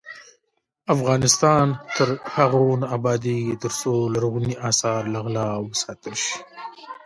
افغانستان تر هغو نه ابادیږي، ترڅو لرغوني اثار له غلا وساتل شي.